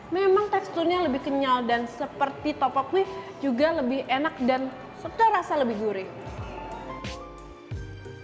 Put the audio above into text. memang teksturnya lebih kenyal dan seperti topoknya juga lebih enak dan sudah rasa lebih gurih